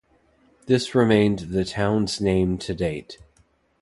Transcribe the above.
This remained the town's name to date.